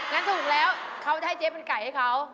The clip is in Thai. งั้นถูกแล้วเขาจะให้เจ๊เป็นไก่ให้เขา